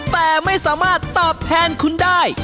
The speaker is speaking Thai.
แต่ไม่สามารถตอบแทนคุณได้